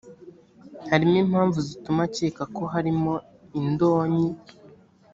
harimo impamvu zituma akeka ko harimo indonyi